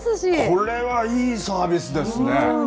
これはいいサービスですね。